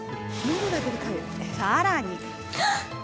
さらに。